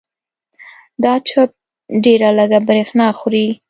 دا چپ ډېره لږه برېښنا خوري.